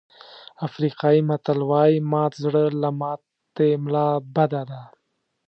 افریقایي متل وایي مات زړه له ماتې ملا بده ده.